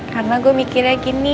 karena gue mikirnya gini